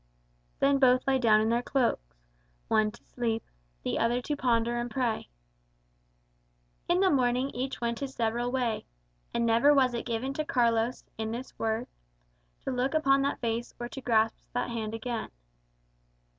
Then both lay down in their cloaks; one to sleep, the other to ponder and pray. In the morning each went his several way. And never was it given to Carlos, in this world, to look upon that face or to grasp that hand again.